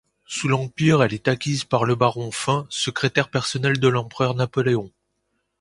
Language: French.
Sous l'Empire, elle est acquise par le baron Fain, secrétaire personnel de l'empereur Napoléon.